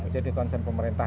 jadi konsen pemerintah